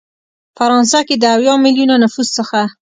فرانسه کې د اویا ملیونه نفوس څخه